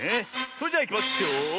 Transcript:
それじゃあいきますよ。